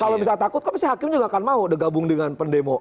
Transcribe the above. kalau bisa takut kok hakim juga tidak mau gabung dengan pendemo